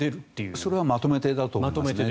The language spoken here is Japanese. それはまとめてだと思いますね。